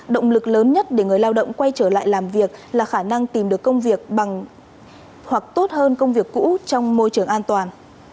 động lực lớn nhất để người lao động quay trở lại làm việc là khả năng tìm được công việc hoặc tốt hơn công việc cũ trong môi trường an toàn